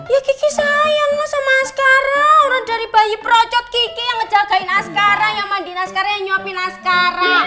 ya kiki sayang lah sama askara orang dari bayi perocot kiki yang ngejagain askara yang mandiin askara yang nyuapin askara